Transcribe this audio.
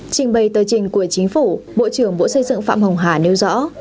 trình bày tờ trình của chính phủ bộ trưởng bộ xây dựng phạm hồng hà nêu rõ